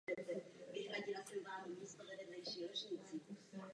Reliéf lokality vznikl jako následek historické těžby vápence.